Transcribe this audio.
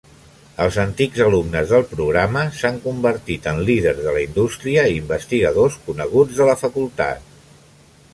Els antics alumnes del programa s'han convertit en líders de la indústria i investigadors coneguts de la facultat.